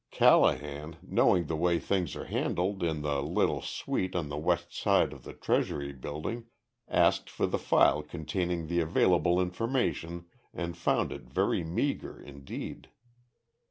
Callahan, knowing the way things are handled in the little suite on the west side of the Treasury Building, asked for the file containing the available information and found it very meager indeed.